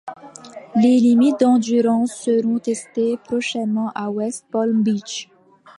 Les limites d'endurance seront testées prochainement à West Palm Beach.